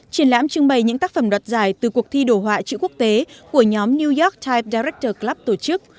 triển lãm trưng bày những tác phẩm đọt giải từ cuộc thi đồ họa chữ quốc tế của nhóm new york type director club tổ chức